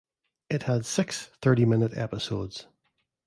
It had six thirty-minute episodes.